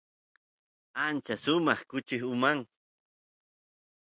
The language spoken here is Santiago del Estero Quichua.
ancha sumaq kuchi uman